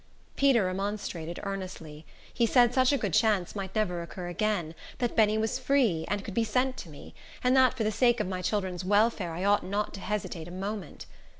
Peter remonstrated earnestly. He said such a good chance might never occur again; that Benny was free, and could be sent to me; and that for the sake of my children's welfare I ought not to hesitate a moment.